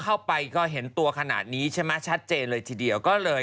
เข้าไปก็เห็นตัวขนาดนี้ใช่ไหมชัดเจนเลยทีเดียวก็เลย